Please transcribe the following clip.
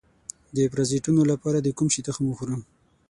د پرازیتونو لپاره د کوم شي تخم وخورم؟